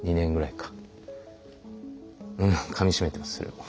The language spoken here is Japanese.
かみしめてますよ。